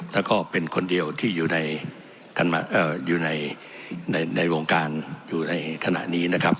และก็เป็นคนเดียวที่อยู่ในการมาอยู่ในวงการอยู่ในขณะนี้นะครับ